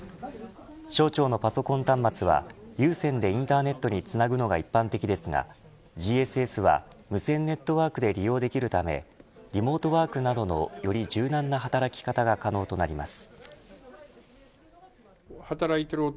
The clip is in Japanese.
省庁のパソコン端末は有線でインターネットにつなぐのが一般的ですがＧＳＳは無線ネットワークで利用できるためリモートワークなどのより柔軟な働き方が可能となります。